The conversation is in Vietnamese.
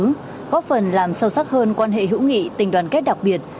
góp phần làm sâu sắc hơn quan hệ hữu nghị tình đoàn kết đặc biệt